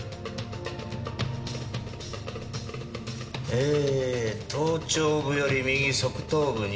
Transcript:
え頭頂部より右側頭部に。